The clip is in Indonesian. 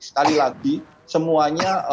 sekali lagi semuanya